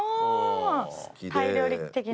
タイ料理的な？